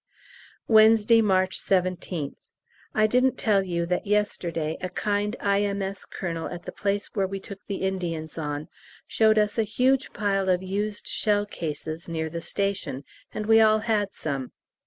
Wednesday, March 17th. I didn't tell you that yesterday a kind I.M.S. colonel at the place where we took the Indians on showed us a huge pile of used shell cases near the station, and we all had some.